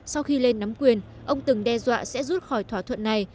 sau khi lên nắm quyền ông từng đe dọa sẽ rút khỏi thỏa thuận này